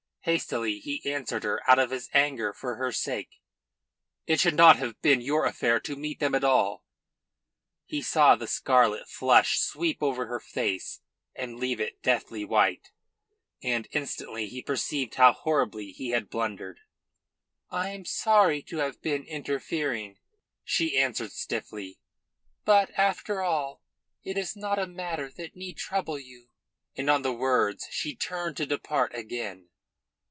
Hastily he answered her out of his anger for her sake: "It should not have been your affair to meet them at all." He saw the scarlet flush sweep over her face and leave it deathly white, and instantly he perceived how horribly he had blundered. "I'm sorry to have been interfering," she answered stiffly, "but, after all, it is not a matter that need trouble you." And on the words she turned to depart again.